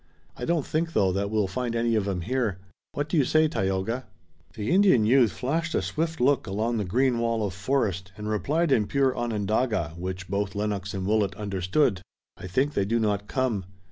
I don't think, though, that we'll find any of 'em here. What do you say, Tayoga?" The Indian youth flashed a swift look along the green wall of forest, and replied in pure Onondaga, which both Lennox and Willet understood: "I think they do not come.